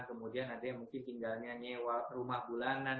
kemudian ada yang mungkin tinggalnya nyewa rumah bulanan